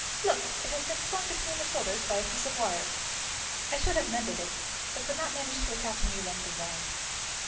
Look, it has been slung between the shoulders by a piece of wire. I should have mended it, but could not manage to attach a new length of wire."